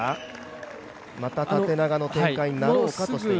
また縦長の展開になろうかとしています。